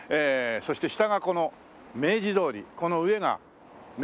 そして下がこの明治通りこの上が目白通りという。